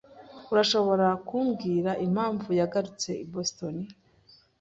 Urashobora kumbwira impamvu yagarutse i Boston?